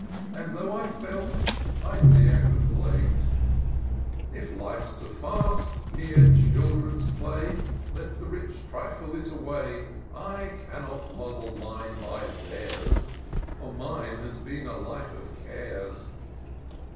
And though I felt, I ne'er complain'd !" If Life's a farce, mere children's play, Let the rich trifle it away : I cannot model mine by their's, For mine has been a life of cares.